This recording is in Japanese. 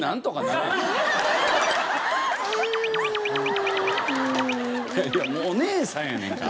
いやいやもうお姉さんやねんから。